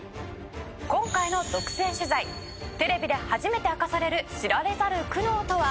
「今回の独占取材テレビで初めて明かされる知られざる苦悩とは？」